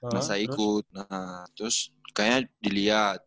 nah saya ikut nah terus kayaknya dilihat